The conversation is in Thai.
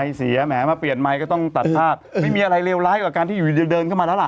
เสียแหมมาเปลี่ยนไมค์ก็ต้องตัดภาพไม่มีอะไรเลวร้ายกว่าการที่อยู่เดินเข้ามาแล้วล่ะ